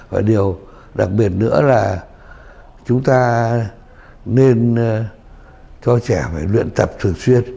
và điều đặc biệt nữa là chúng ta nên cho trẻ phải luyện tập thường xuyên